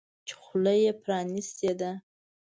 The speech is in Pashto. چې خوله یې پرانیستې ده.